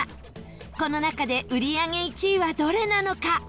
この中で売り上げ１位は、どれなのか？